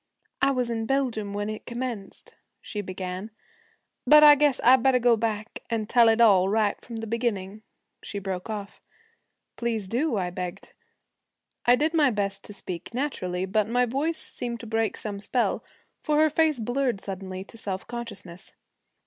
'I was in Belgium when it commenced,' she began. 'But I guess I better go back and tell it all right from the beginning,' she broke off. 'Please do,' I begged. I did my best to speak naturally, but my voice seemed to break some spell, for her face blurred suddenly to self consciousness.